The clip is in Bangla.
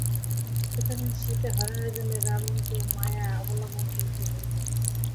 সুতরাং সীতাহরণের জন্য রাবণকে মায়া অবলম্বন করিতে হইল।